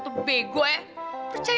siapa semuanya bangkuk nih